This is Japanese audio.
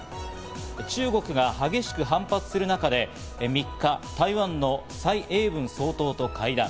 中国が激しく反発する中で３日、台湾のサイ・エイブン総統と会談。